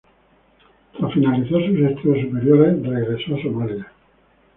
Tras finalizar sus estudios superiores, regresó a Somalia.